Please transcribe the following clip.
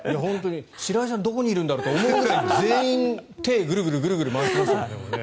白井さんどこにいるんだろう？と思うくらい全員、手をグルグル回してましたよね。